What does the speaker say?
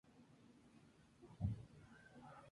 Se ubica en todo el campus de la universidad.